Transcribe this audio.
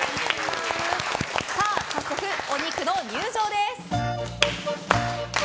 早速、お肉の入場です！